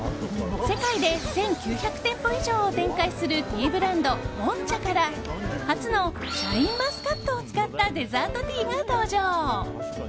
世界で１９００店舗以上を展開するティーブランド、ゴンチャから初のシャインマスカットを使ったデザートティーが登場。